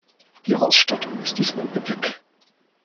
Die Ausstattung ist diesmal üppig.